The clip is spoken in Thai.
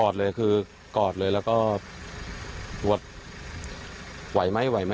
จึงกลอดเลยแล้วก็ว่าไหวไหม